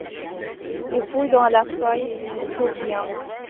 Il fouille dans la paille et il ne trouve rien.